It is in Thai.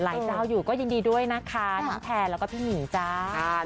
เจ้าอยู่ก็ยินดีด้วยนะคะน้องแทนแล้วก็พี่หมีงจ้า